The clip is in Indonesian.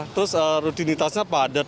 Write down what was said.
terus rutinitasnya padat